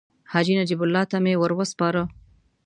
حاجي نجیب الله ته مې ورو سپاره.